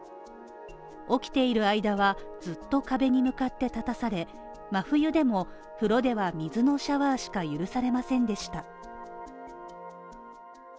起きている間はずっと壁に向かって立たされ、真冬でも風呂では水のシャワーしか許されませんでした。